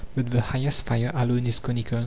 the highest fire alone is conical.